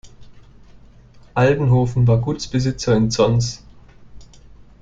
Aldenhoven war Gutsbesitzer in Zons.